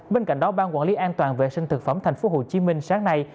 bên cạnh đó ban quản lý an toàn vệ sinh thực phẩm tp hcm sáng nay